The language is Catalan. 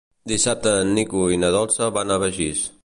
Dissabte en Nico i na Dolça van a Begís.